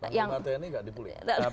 panggul batu ini gak dipulih